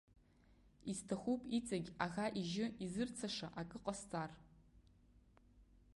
Исҭахуп иҵегь аӷа ижьы изырцаша акы ҟасҵар.